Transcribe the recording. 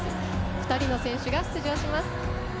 ２人の選手が出場します。